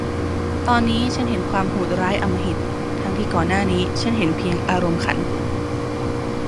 ตอนนี้ฉันเห็นความโหดร้ายอำมหิต ทั้งที่ก่อนหน้านี้ฉันเห็นเพียงอารมณ์ขัน